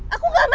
aku enggak mau